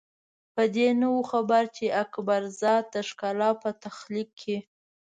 په دې نه وو خبر چې د اکبر ذات د ښکلا په تخلیق کې.